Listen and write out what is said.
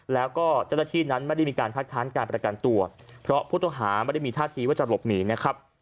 แล้วก็เจ้าหน้าที่นั้นไม่ได้มีการคัดค้านการประกันตัวเพราะผู้ต้องหาไม่ได้มีท่าทีว่าจะหลบหนีนะครับ